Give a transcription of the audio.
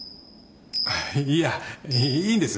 いやいいんです。